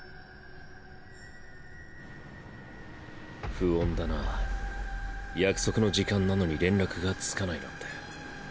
不穏だな約束の時間なのに連絡がつかないなんて。